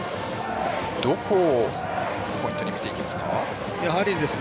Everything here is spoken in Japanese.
どこをポイントに見ていきますか。